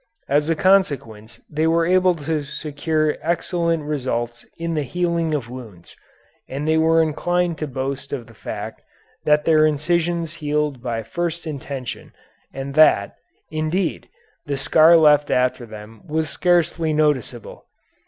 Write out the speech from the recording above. As a consequence they were able to secure excellent results in the healing of wounds, and they were inclined to boast of the fact that their incisions healed by first intention and that, indeed, the scar left after them was scarcely noticeable.